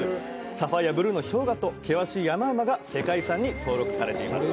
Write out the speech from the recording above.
サファイヤブルーの氷河と険しい山々が世界遺産に登録されています